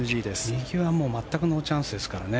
右は全くノーチャンスですからね。